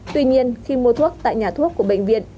tuy nhiên khi mua thuốc tại nhà thuốc của bệnh viện